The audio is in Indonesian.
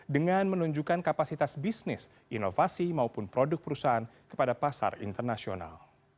dengan menunjukkan kapasitas bisnis inovasi maupun produk perusahaan kepada pasar internasional